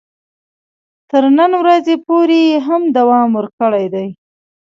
تر نن ورځې پورې یې هم دوام ورکړی دی.